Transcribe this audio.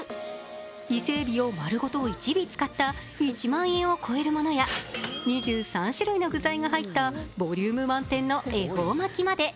伊勢えびを丸ごと１尾使った１万円を超えるものや２３種類の具材が入ったボリューム満点の恵方巻きまで。